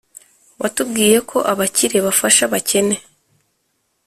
watubwiye ko abakire bafasha abakene,